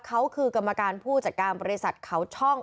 เขาคือกรรมการผู้จัดการบริษัทเขาช่อง